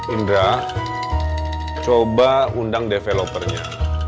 indra coba undang developernya